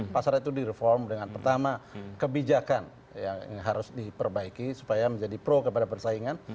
pasar itu direform dengan pertama kebijakan yang harus diperbaiki supaya menjadi pro kepada persaingan